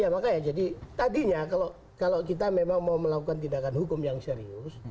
ya makanya jadi tadinya kalau kita memang mau melakukan tindakan hukum yang serius